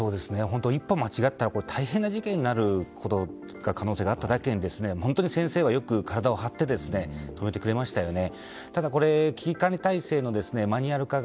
一歩間違えたら大変な事件になっていた可能性があっただけに本当に先生は、よく体を張って止めてくれましたね。